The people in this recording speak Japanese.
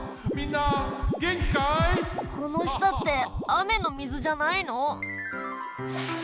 このしたってあめのみずじゃないの？